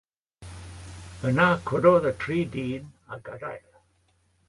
Yna cododd y tri dyn a gadael.